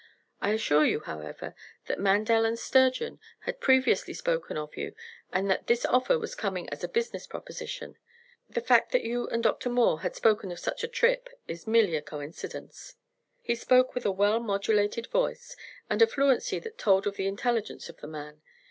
I assure you, however, that Mandel & Sturgeon had previously spoken of you and that this offer was coming as a business proposition. The fact that you and Dr. Moore had spoken of such a trip is merely a coincidence." He spoke with a well modulated voice, and a fluency that told of the intelligence of the man.